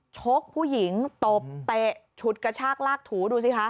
ชกผู้หญิงตบเตะฉุดกระชากลากถูดูสิคะ